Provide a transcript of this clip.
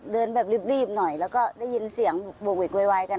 เดินแบบรีบหน่อยแล้วก็ได้ยินเสียงโบกเวกวายกัน